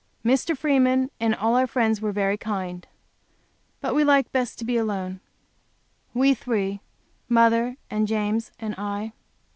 Mr. Freeman and all our friends were very kind. But we like best to be alone, we three, mother and James and I.